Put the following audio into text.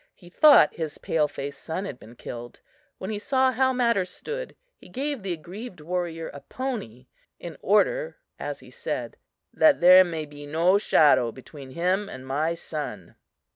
He thought his pale face son had been killed. When he saw how matters stood, he gave the aggrieved warrior a pony, "in order," as he said, "that there may be no shadow between him and my son."